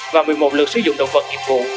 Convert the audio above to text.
và một mươi một lượt sử dụng động vật nghiệp vụ